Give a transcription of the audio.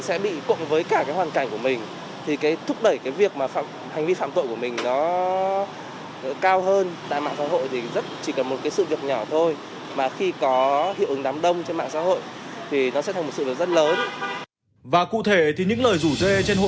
để hoạt động phạm tội một cách chú đáo